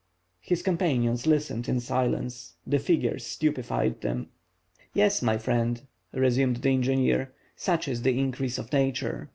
His companions listened in silence. The figures stupefied them. "Yes, my friend," resumed the engineer. "Such is the increase of Nature.